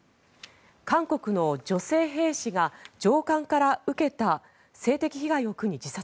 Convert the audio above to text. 韓国の女性兵士が上官から受けた性的被害を苦に自殺。